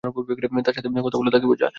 তার সাথে কথা বল, তাকে বুঝা!